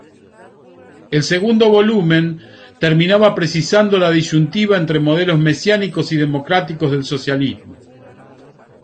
El segundo volumen terminaba precisando la disyuntiva entre modelos mesiánicos y democráticos de socialismo.